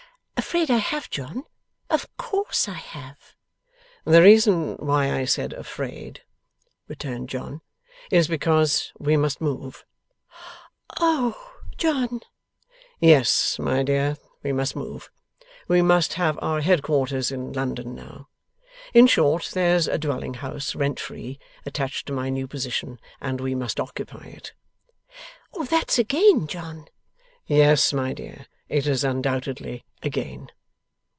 'Afraid I have, John? Of course I have.' 'The reason why I said afraid,' returned John, 'is, because we must move.' 'O John!' 'Yes, my dear, we must move. We must have our head quarters in London now. In short, there's a dwelling house rent free, attached to my new position, and we must occupy it.' 'That's a gain, John.' 'Yes, my dear, it is undoubtedly a gain.